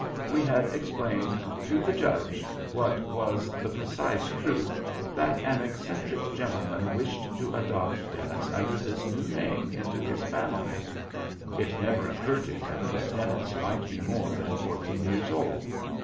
We had explained to the Judge, what was the precise truth, that an eccentric gentleman wished to adopt Dennis under this new name into his family. It never occurred to him that Dennis might be more than fourteen years old.